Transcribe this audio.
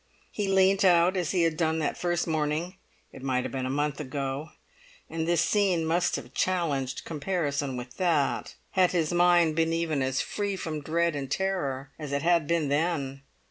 He leant out as he had done that first morning, it might have been a month ago; and this scene must have challenged comparison with that, had his mind been even as free from dread and terror as it had been then.